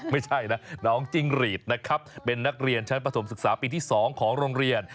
ไม่ใช่นะน้องจิ้งหรีดนะครับเป็นนักเรียนชั้นประถมศึกษาปีที่๒ของโรงเรียน